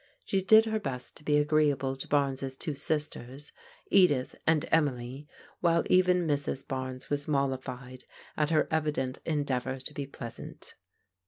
She did her best to be agreeable to Barnes' two sisters, Edith and Emily, while even Mrs. Barnes was mollified at her evident endeavour to be pleasant.